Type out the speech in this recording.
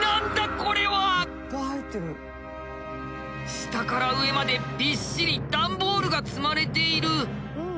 下から上までびっしり段ボールが積まれている。